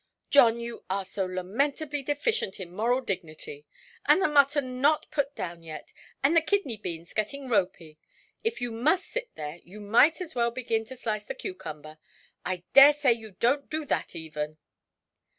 "John, you are so lamentably deficient in moral dignity! And the mutton not put down yet, and the kidney–beans getting ropy! If you must sit there, you might as well begin to slice the cucumber. I dare say youʼd do that even".